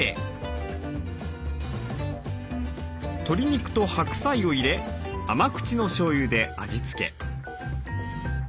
鶏肉と白菜を入れ甘口のしょうゆで味付け。